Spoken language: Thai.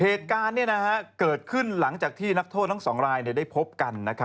เหตุการณ์เกิดขึ้นหลังจากที่นักโทษทั้ง๒รายได้พบกัน